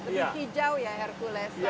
lebih hijau ya hercules